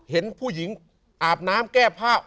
เห็นผู้หญิงอาบน้ำแก้ผ้า